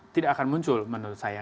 tidak akan muncul menurut saya